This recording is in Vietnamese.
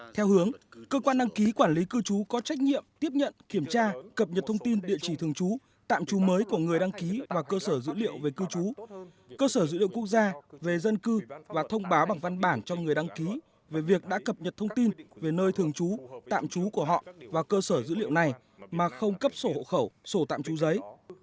theo hướng cơ quan đăng ký quản lý cư trú có trách nhiệm tiếp nhận kiểm tra cập nhật thông tin địa chỉ thường trú tạm trú mới của người đăng ký và cơ sở dữ liệu về cư trú cơ sở dữ liệu quốc gia về dân cư và thông báo bằng văn bản cho người đăng ký về việc đã cập nhật thông tin về nơi thường trú tạm trú của họ và cơ sở dữ liệu này mà không cấp sổ hộ khẩu sổ tạm trú giấy